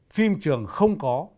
phim trường không có